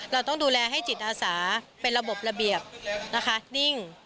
เราต้องดูแลให้จิตอาสาเป็นระบบระเบียบนะคะนิ่ง